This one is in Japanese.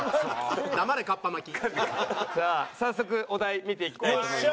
さあ早速お題見ていきたいと思います。